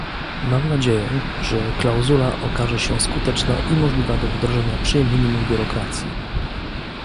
Mam nadzieję, że klauzula okaże się skuteczna i możliwa do wdrożenia przy minimum biurokracji